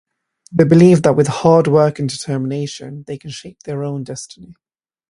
They believe that with hard work and determination, they can shape their own destiny.